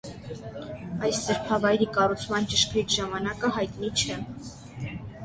Այս սրբավայրի կառուցման ճշգրիտ ժամանակը հայտնի չէ։